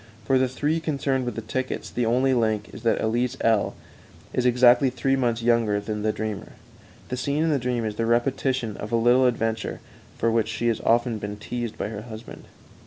For the three concerned with the tickets, the only link is that Elise L is exactly three months younger than the dreamer. The scene in the dream is the repetition of a little adventure for which she has often been teased by her husband.